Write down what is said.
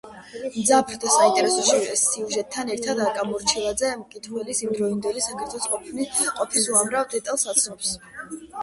მძაფრ და საინტერესო სიუჟეტთან ერთად აკა მორჩილაძე მკითხველს იმდროინდელი საქართველოს ყოფის უამრავ დეტალს აცნობს.